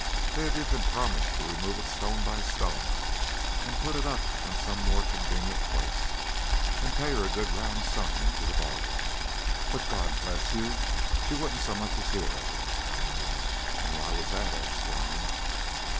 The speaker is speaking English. They have even promised to remove it stone by stone, and put it up on some more convenient place, and pay her a good round sum into the bargain, but, God bless you! she wouldn't so much as hear of it." "And why was that?" asked John.